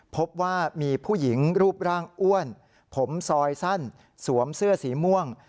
พบว่ามีผู้หญิงรูปร่างอ้วนผมซอยสั้นสวมเสื้อสีม่วง